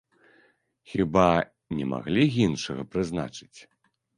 Хіба не маглі іншага прызначыць?